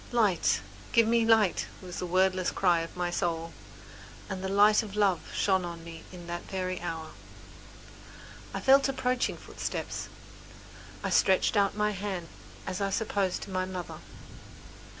"Light! give me light!" was the wordless cry of my soul, and the light of love shone on me in that very hour. I felt approaching footsteps, I stretched out my hand as I supposed to my mother.